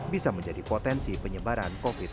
bisa menjadi potensi penyebaran covid sembilan belas